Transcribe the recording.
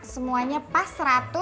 semuanya pas seratus